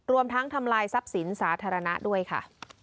รวมทั้งทำลายทรัพย์สินสาธารณะด้วยค่ะ